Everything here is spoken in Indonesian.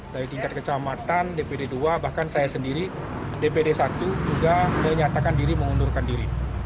dari tingkat kecamatan dpd dua bahkan saya sendiri dpd satu juga menyatakan diri mengundurkan diri